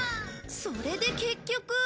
それで結局